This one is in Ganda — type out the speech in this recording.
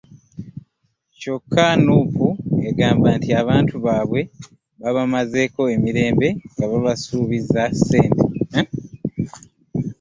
Kyokka NUP egamba nti abantu baabwe babamazeeko emirembe nga babasuubiza ssente.